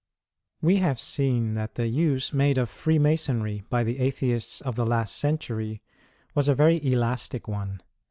We have seen that the use made of Freemasonry by the Atheists of the last century was a very elastic one.